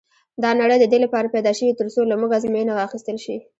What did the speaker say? دا نړۍ د دې لپاره پيدا شوې تر څو له موږ ازموینه واخیستل شي.